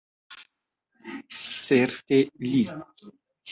Certe, li.